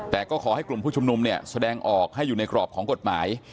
แต่ก็ขอให้กลุ่มผู้ชุมนุมเนี่ยแสดงออกให้อยู่ในกรอบของกฎหมาย